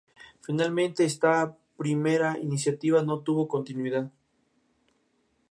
Finalmente esta primera iniciativa no tuvo continuidad.